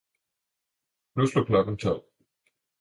nu slog klokken tolv.